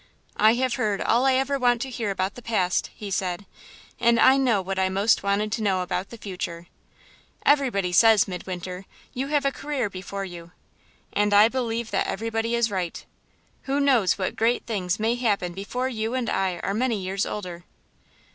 "I have heard all I ever want to hear about the past," he said; "and I know what I most wanted to know about the future. Everybody says, Midwinter, you have a career before you, and I believe that everybody is right. Who knows what great things may happen before you and I are many years older?"